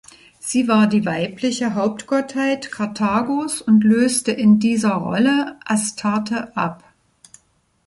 Sie war die weibliche Hauptgottheit Karthagos und löste in dieser Rolle Astarte ab.